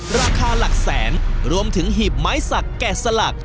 ราคาหลักแสนรวมถึงหีบไม้สักแกะสลัก